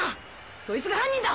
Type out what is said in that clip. そいつが犯人だ！